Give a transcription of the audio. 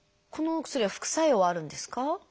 このお薬は副作用はあるんですか？